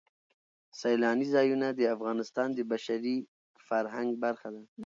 سیلانی ځایونه د افغانستان د بشري فرهنګ برخه ده.